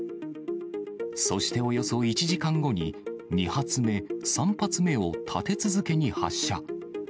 そしておよそ１時間後に、２発目、３発目を立て続けに発射。